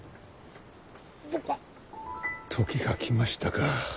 時が来ましたか。